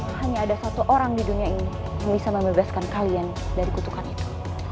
hanya ada satu orang di dunia ini yang bisa membebaskan kalian dari kutukan itu